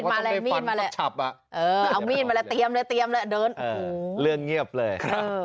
เก่าว่าต้องได้ฟันสับเออเอามีนมาแล้วเตรียมเลยเดินเรื่องเงียบเลย